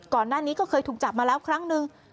ก่อนหน้านี้ก็เคยถูกจับมาแล้วครั้งหนึ่ง